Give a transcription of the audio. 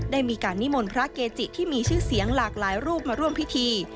ได้มีการนิมนต์พระเกจิที่มีชื่อเสียงหลากหลายรูปมาร่วมพิธี